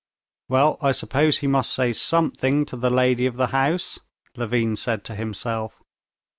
"Well, I suppose he must say something to the lady of the house," Levin said to himself.